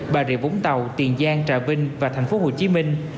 bà rịa vũng tàu tiền giang trà vinh và thành phố hồ chí minh